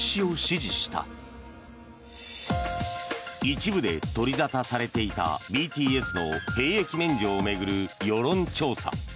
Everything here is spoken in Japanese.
一部で取り沙汰されていたＢＴＳの兵役免除を巡る世論調査。